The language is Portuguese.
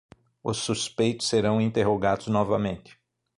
Os suspeitos serão interrogados novamente